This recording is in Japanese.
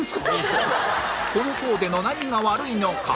このコーデの何が悪いのか？